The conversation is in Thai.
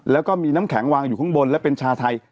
แล้วก็มีน้ำแข็งวางอยู่ข้างบนและเป็นชาไทย